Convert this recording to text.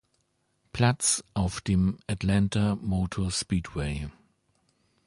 Platz auf dem Atlanta Motor Speedway.